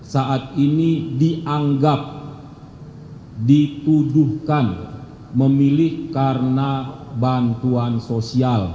saat ini dianggap dituduhkan memilih karena bantuan sosial